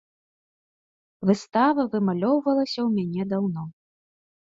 Выстава вымалёўвалася ў мяне даўно.